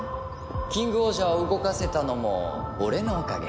キングオージャーを動かせたのも俺のおかげ。